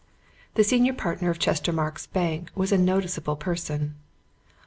The senior partner of Chestermarke's Bank was a noticeable person.